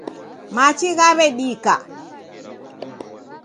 Machi ghaw'edika.